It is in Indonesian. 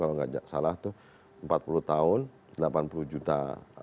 kalau nggak salah itu empat puluh tahun delapan puluh juta